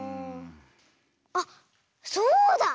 あっそうだ！